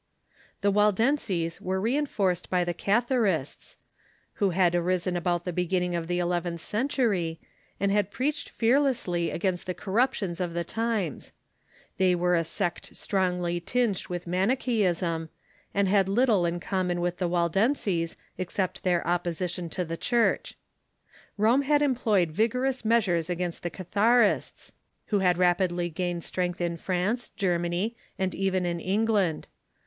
The Waldenses were reinforced by the Catharists, who had arisen about the beginning of the eleventh centur}', and had preached fearlessly against the corruptions of the the Riformm ^i™'^'^" ."^^^^^^'^''^^^^^^ strongly tinged with Manicheism, and had little in common with the Waldenses except their opposition to tbe Church. Rome had employed vigorous measures against the Catharists, Avho had rapidly gained strength in France, Germany, and even in Eng land.